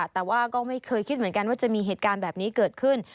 แต่ว่าก็ไม่เคยคิดเหมือนกันว่าจะมีเหตุการณ์แบบนี้เกิดขึ้น